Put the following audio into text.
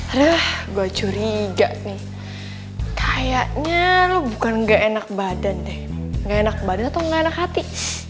aduh gue curiga nih kayaknya lo bukan gak enak badan deh nggak enak badan atau enggak enak hati